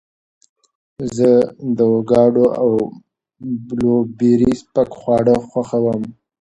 زه د اوکاډو او بلوبېري سپک خواړه خوښوم.